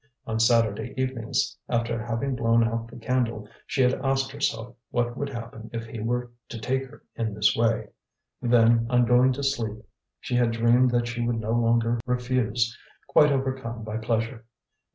On Saturday evenings, after having blown out the candle, she had asked herself what would happen if he were to take her in this way; then, on going to sleep, she had dreamed that she would no longer refuse, quite overcome by pleasure.